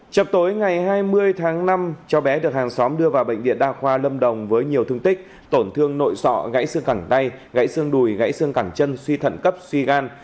chập tối ngày hai mươi tháng năm cháu bé được hàng xóm đưa vào bệnh viện đa khoa lâm đồng với nhiều thương tích tổn thương nội sọ gãy xương cẳng tay gãy xương đùi gãy xương cẳng chân suy thận cấp suy gan